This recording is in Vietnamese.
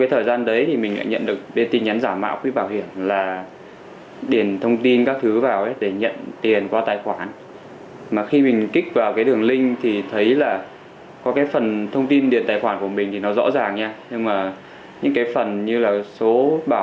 thời gian qua được biết anh tuấn cũng là một trong số những nạn nhân bị sập bẫy